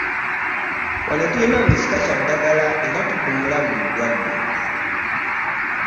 Wano tulina buli kika kya ddagala era tuvumula buli bulwadde.